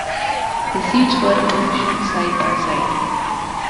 The seats were positioned side-by-side.